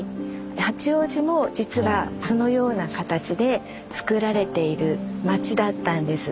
八王子も実はそのような形でつくられている町だったんです。